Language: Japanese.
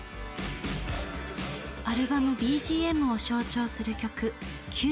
アルバム「ＢＧＭ」を象徴する曲「ＣＵＥ」。